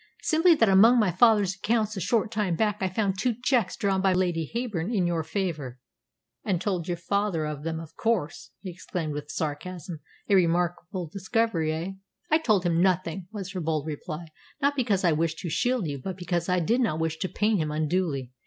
"Simply that among my father's accounts a short time back I found two cheques drawn by Lady Heyburn in your favour." "And you told your father of them, of course!" he exclaimed with sarcasm. "A remarkable discovery, eh?" "I told him nothing," was her bold reply. "Not because I wished to shield you, but because I did not wish to pain him unduly.